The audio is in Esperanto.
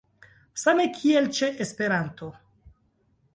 Same kiel ĉe Esperanto.